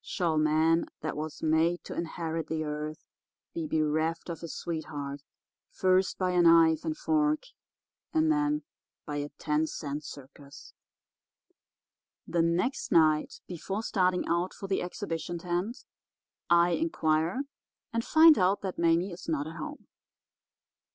Shall man that was made to inherit the earth be bereft of his sweetheart first by a knife and fork and then by a ten cent circus?' "The next night before starting out for the exhibition tent I inquire and find out that Mame is not at home.